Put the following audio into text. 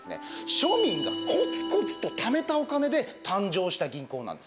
庶民がコツコツとためたお金で誕生した銀行なんです。